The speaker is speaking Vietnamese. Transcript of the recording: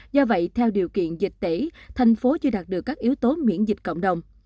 do vậy theo điều kiện dịch tễ thành phố chưa đạt được các yếu tố miễn dịch cộng đồng